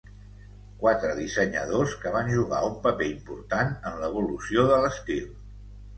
Quatre dissenyadors que van jugar un paper important en l'evolució de l'estil.